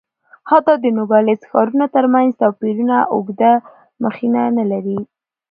حتی د نوګالس ښارونو ترمنځ توپیرونه اوږده مخینه نه لري.